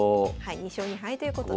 ２勝２敗ということで。